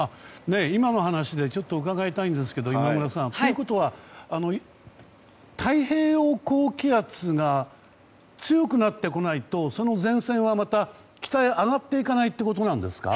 今の話でちょっと伺いたいんですけど今村さんということは、太平洋高気圧が強くなってこないとその前線は北へ上がっていかないということなんですか。